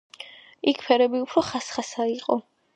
იქ ფერები უფრო ხასხასა იყო.